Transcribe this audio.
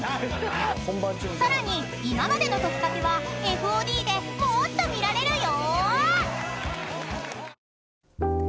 ［さらに今までの『トキカケ』はＦＯＤでもーっと見られるよ］